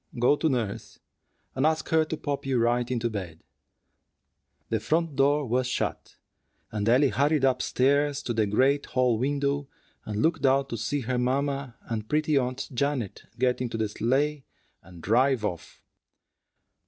Go to nurse, and ask her to pop you right into bed." The front door was shut, and Ellie hurried up stairs to the great hall window, and looked out to see her mamma and pretty Aunt Janet get into the sleigh and drive off.